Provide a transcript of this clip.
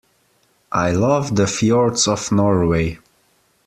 I love the fjords of Norway.